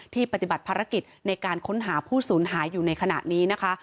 ปฏิบัติภารกิจในการค้นหาผู้สูญหายอยู่ในขณะนี้นะคะ